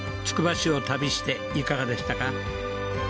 つくば市を旅していかがでしたか？